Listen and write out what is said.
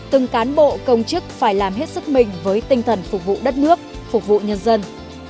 từng cán bộ công chức phải làm hết sức mình với tinh thần phục vụ đất nước phục vụ nhân dân